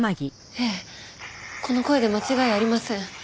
ええこの声で間違いありません。